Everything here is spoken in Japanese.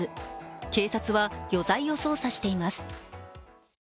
警察は余罪を捜査しています。